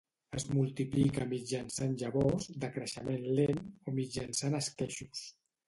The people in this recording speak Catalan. Es multiplica mitjançant llavors, de creixement lent, o mitjançant esqueixos.